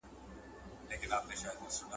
موږ نظم نه ساتو.